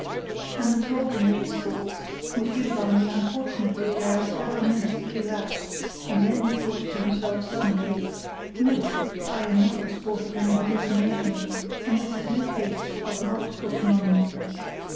And absorbed in these thoughts, Monsieur de Vargnes unfortunately allowed several minutes to elapse, and then he thought to himself suddenly: "No, I am not the sport of any hallucination, and this is no case of an optical phenomenon.